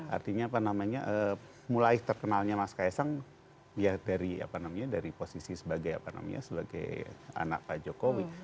artinya apa namanya mulai terkenalnya mas kaisang ya dari posisi sebagai apa namanya sebagai anak pak jokowi